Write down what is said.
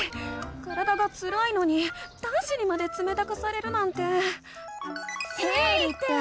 体がつらいのに男子にまでつめたくされるなんて。